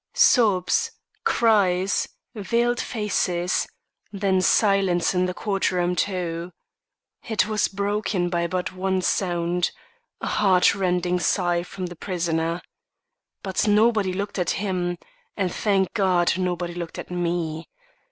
Sobs cries veiled faces then silence in the courtroom, too. It was broken but by one sound, a heartrending sigh from the prisoner. But nobody looked at him, and thank God! nobody looked at me.